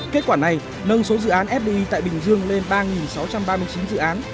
kết quả này nâng số dự án fdi tại bình dương lên ba sáu trăm ba mươi chín dự án